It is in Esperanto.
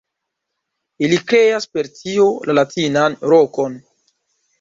Ili kreas per tio la latinan rokon.